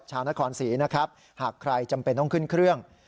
ชาวนครศรีนะครับหากใครจำเป็นต้องขึ้นเครื่อง